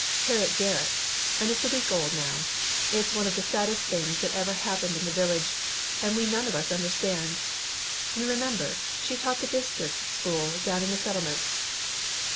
"Hattie Garrett's, and it's a week old now. It is one of the saddest things that ever happened in the village, and we none of us understand. You remember, she taught the district school down in the Settlement."